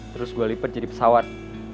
terus gua lipet jadi pesawat